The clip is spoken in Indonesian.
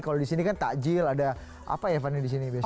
kalau di sini kan takjil ada apa ya fani di sini biasanya